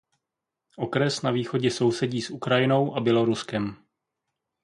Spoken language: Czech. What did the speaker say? Okres na východě sousedí s Ukrajinou a Běloruskem.